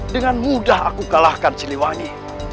dengan mudah aku kalahkan siliwangi